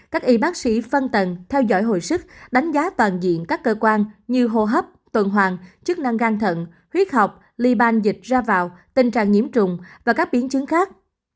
các y bác sĩ phân tầng theo dõi hồi sức đánh giá toàn diện các cơ quan như hô hấp tuần hoàn chức năng gan thận huyết học ly ban dịch ra vào tình trạng nhiễm trùng và các biến chứng khác